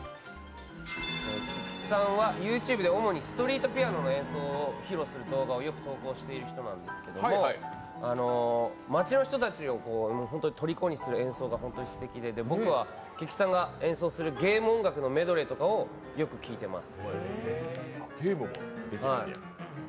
菊池さんはＹｏｕＴｕｂｅで主にストリートピアノの演奏を披露する動画をよく投稿している人なんですが町の人たちをとりこにする演奏が本当にすてきで僕は菊池さんが演奏するゲーム音楽のメドレーとかをよく聴いてます